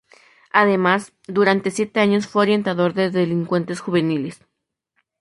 Además, durante siete años fue orientador de delincuentes juveniles.